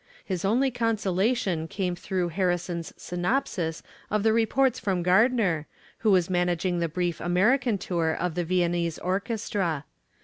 His only consolation came through Harrison's synopsis of the reports from Gardner, who was managing the brief American tour of the Viennese orchestra.